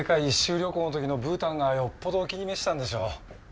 旅行の時のブータンがよっぽどお気に召したんでしょう。